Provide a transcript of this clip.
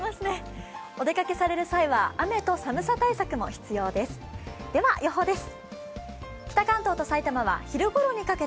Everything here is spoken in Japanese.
お出かけされる際は雨と寒さ対策も必要です。